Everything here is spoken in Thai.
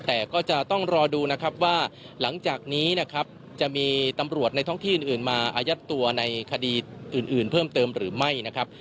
แต่ก็จะต้องรอดูนะครับว่าหลังจากนี้นะครับจะมีตำรวจในท้องที่อื่นมาอายัดตัวในคดีอื่นเพิ่มเติมหรือไม่นะครับ